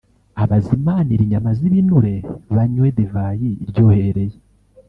abazimanire inyama z’ibinure, banywe divayi iryohereye,